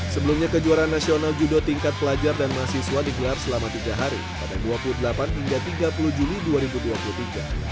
sebelumnya kejuaraan nasional judo tingkat pelajar dan mahasiswa digelar selama tiga hari pada dua puluh delapan hingga tiga puluh juli dua ribu dua puluh tiga